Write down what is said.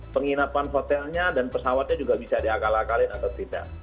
penginapan hotelnya dan pesawatnya juga bisa diakal akalin atau tidak